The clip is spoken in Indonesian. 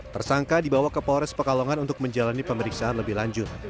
tersangka dibawa ke polres pekalongan untuk menjalani pemeriksaan lebih lanjut